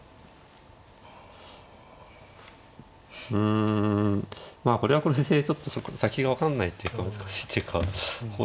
うんまあこれはこれでちょっと先が分かんないっていうか難しいっていうか方針が。